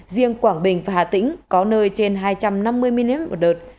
riêng quảng bình và hà tĩnh có nơi trên hai trăm năm mươi mm một đợt